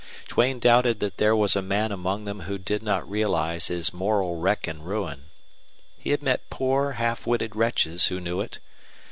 Duane doubted that there was a man among them who did not realize his moral wreck and ruin. He had met poor, half witted wretches who knew it.